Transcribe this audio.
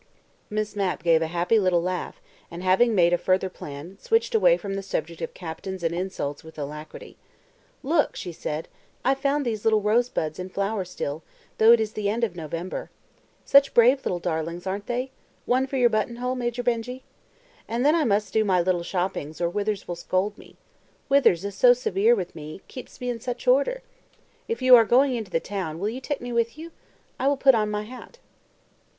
Miss Mapp gave a happy little laugh, and having made a further plan, switched away from the subject of captains and insults with alacrity. "Look!" she said. "I found these little rosebuds in flower still, though it is the end of November. Such brave little darlings, aren't they? One for your buttonhole, Major Benjy? And then I must do my little shoppings or Withers will scold me Withers is so severe with me, keeps me in such order! If you are going into the town, will you take me with you? I will put on my hat."